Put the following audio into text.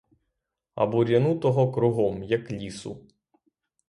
А бур'яну того кругом, як лісу!